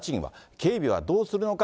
警備はどうするのか？